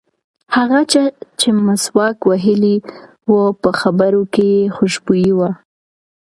هغه چا چې مسواک وهلی و په خبرو کې یې خوشبويي وه.